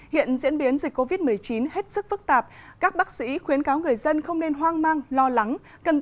hiện diễn biến dịch covid một mươi chín hết sức phức tạp các bác sĩ khuyến cáo người dân không nên hoang mang lo lắng